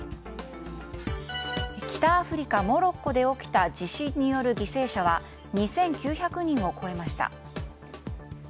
北アフリカ、モロッコで起きた地震による犠牲者は２９００人を超えました。